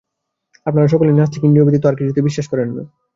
আপনারা সকলেই নাস্তিক, ইন্দ্রিয় ব্যতীত আর কিছুতেই বিশ্বাস করেন না।